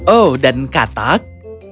oh dan katak